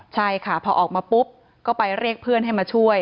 ใช่ค่ะพอออกมาปุ๊บก็ไปเรียกเพื่อนให้มาช่วย